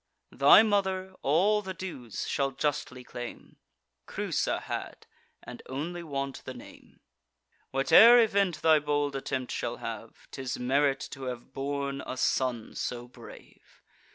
Thy mother all the dues shall justly claim, Creusa had, and only want the name. Whate'er event thy bold attempt shall have, 'Tis merit to have borne a son so brave.